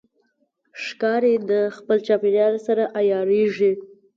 ښکاري د خپل چاپېریال سره عیارېږي.